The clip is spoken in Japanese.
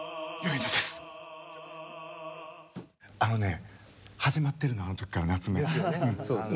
あのね始まってるのあの時から夏目は。ですよね。